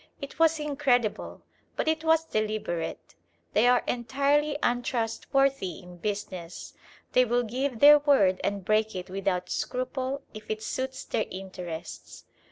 It was incredible, but it was deliberate. They are entirely untrustworthy in business: they will give their word and break it without scruple if it suits their interests.